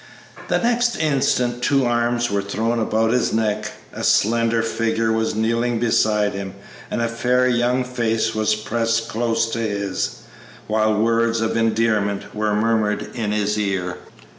The next instant two arms were thrown about his neck, a slender figure was kneeling beside him, and a fair young face was pressed close to his, while words of endearment were murmured in his ear.